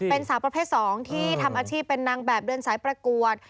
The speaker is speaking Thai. เป็นสาวประเภท๒ที่ทำอาชีพเป็นนางแบบเดินสายประกวด